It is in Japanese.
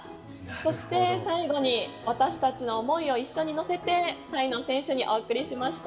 そして、最後に私たちの思いを一緒に乗せてタイの選手にお贈りしました。